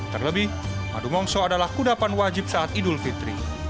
terlebih madu mongso adalah kudapan wajib saat idul fitri